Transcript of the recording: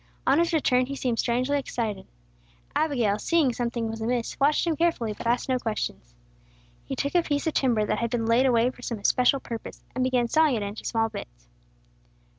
On his return he seemed strangely excited. Abigail, seeing something was amiss, watched him carefully, but asked no questions. He took a piece of timber that had been laid away for some especial purpose, and began sawing it into small bits.